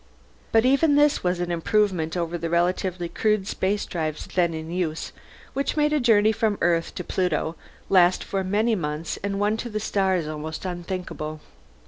But even this was an improvement over the relatively crude spacedrives then in use, which made a journey from Earth to Pluto last for many months and one to the stars almost unthinkable.